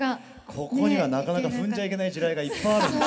ここにはなかなか踏んじゃいけない地雷がいっぱいあるんです。